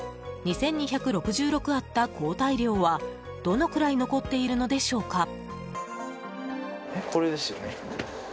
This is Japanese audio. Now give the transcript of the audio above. ２２６６あった抗体量はどのくらい残っているのでしょうか。